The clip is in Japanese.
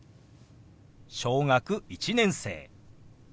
「小学１年生」。